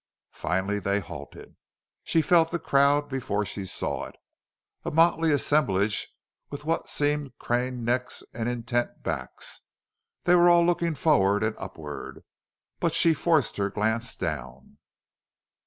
Finally they halted. She felt the crowd before she saw it. A motley assemblage with what seemed craned necks and intent backs! They were all looking forward and upward. But she forced her glance down.